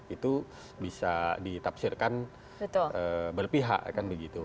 itu bisa ditafsirkan berpihak kan begitu